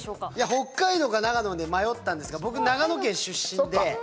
北海道か長野で迷ったんですが僕、長野県出身で。